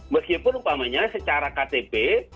meskipun umpamanya secara ktp